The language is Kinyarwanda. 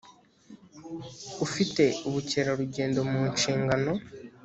ufite ubukerarugendo mu nshingano